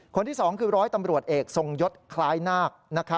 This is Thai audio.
คนที่๒คือร้อยตำรวจเอกทรงยศคล้ายนาค